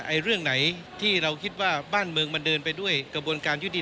กรณีนี้ทางด้านของประธานกรกฎาได้ออกมาพูดแล้ว